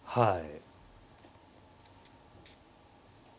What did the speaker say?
はい。